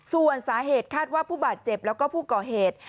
ส่วนสาเหตุคาดว่าผู้บาดเจ็บแล้วก็ผู้ก่อเหตุ